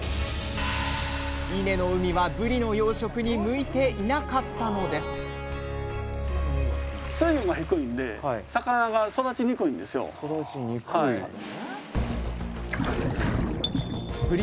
伊根の海はぶりの養殖に向いていなかったのですぶり